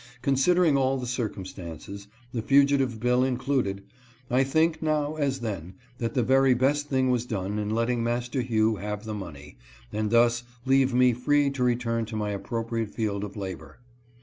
Considering all the circumstances, the fugitive bill included, I think now as then, that the very best thing was done in letting Master Hugh have the money, and thus leave me free to return to my appropriate field Of labor.